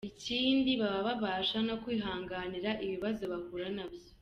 Ikindi baba babasha no kwihanganira ibibazo bahura na byo.